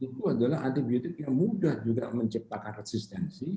itu adalah antibiotik yang mudah juga menciptakan resistensi